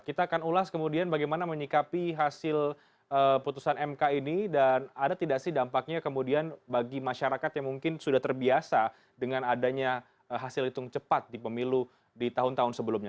kita akan ulas kemudian bagaimana menyikapi hasil putusan mk ini dan ada tidak sih dampaknya kemudian bagi masyarakat yang mungkin sudah terbiasa dengan adanya hasil hitung cepat di pemilu di tahun tahun sebelumnya